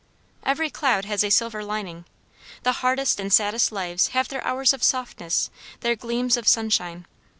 "Every cloud has a silver lining." The hardest and saddest lives have their hours of softness, their gleams of sunshine.